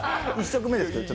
１食目ですけど。